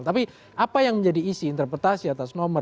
tapi apa yang menjadi isi interpretasi atas nomor